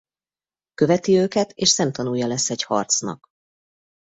Követi őket és szemtanúja lesz egy harcnak.